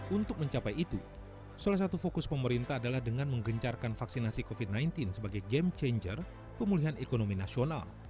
untuk mencapai itu salah satu fokus pemerintah adalah dengan menggencarkan vaksinasi covid sembilan belas sebagai game changer pemulihan ekonomi nasional